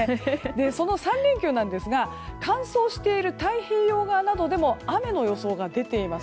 その３連休なんですが乾燥している太平洋側などでも雨の予想が出ています。